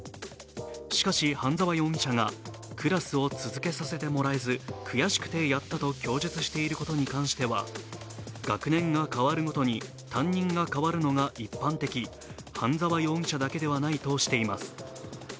しかし、半沢容疑者がクラスを続けさせてもらえず悔しくてやったと供述していることに関しては学年が変わるごとに担任が代わるのは一般的半沢容疑者だけではないとしています。